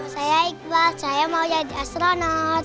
saya iqbal saya mau jadi astronot